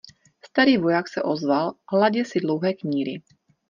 Starý voják se ozval, hladě si dlouhé kníry.